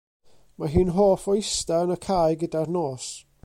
Mae hi'n hoff o ista yn y cae gyda'r nos.